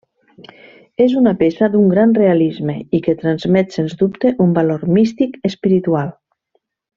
És una peça d'un gran realisme i que transmet sens dubte un valor místic, espiritual.